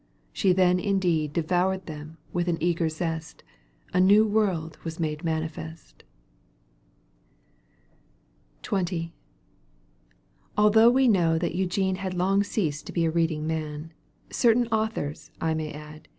She then indeed Devoured them with an eager zest. A new world was made manifest ! XX. Although we know that Eugene had I, Long ceased to be a reading man. Still certain authors, I may add.